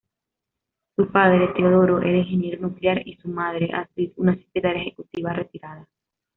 Su padre, Teodoro era ingeniero nuclear y su madre, Astrid, una secretaria ejecutiva retirada.